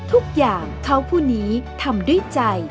ทุกอย่างเขาห์ภูนีทำด้วยใจ